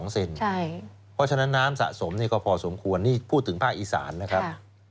เพราะฉะนั้นน้ำสะสมก็พอสมควรนี่พูดถึงภาคอีสานนะครับ